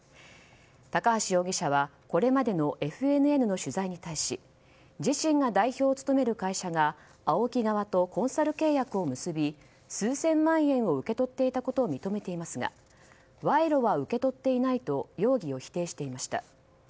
高橋容疑者はこれまでのＦＮＮの取材に対し自身が代表を務める会社がＡＯＫＩ側とコンサル契約を結び、数千万円を受け取っていたことを認めていますが賄賂は受け取っていないと容疑を否定していました。